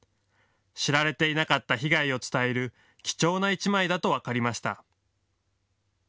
知られていなかった被害を伝える貴重な１枚だと分かりました。